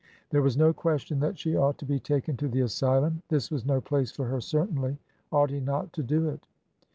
There was no question that she ought to be taken to the asylum. This was no place for her, certainly. Ought he not to do it?